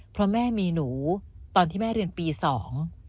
เพราะแม่มีหนูตอนที่แม่เรียนปีสอง